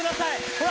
ほら！